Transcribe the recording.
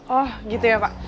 oh gitu ya pak